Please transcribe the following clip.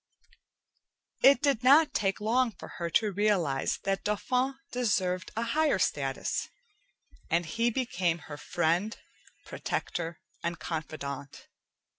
It did not take long for her to realize that Dauphin deserved a higher status, and he became her friend, protector, and confidante.